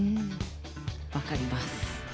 分かります。